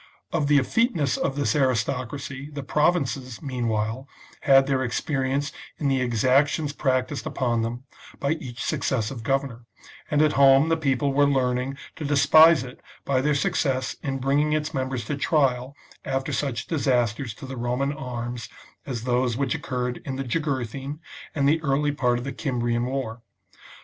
Of the efifeteness of this aristocracy the provinces, meanwhile, had their experi ence in the exactions practised upon them by each successive governor, and at home the people were learning to despise it by their success in bringing its members to trial after such disasters to the Roman arms as those which occurred in the Jugurthine, and CONSPIRACY OF CATILINE. xix the early part of the Cimbrian war.